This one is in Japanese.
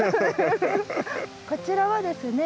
こちらはですね